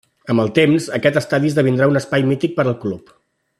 Amb el temps, aquest estadi esdevindrà un espai mític per al club.